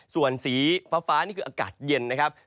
ส่วนสีฟ้านี่คืออากาศเย็นนะครับ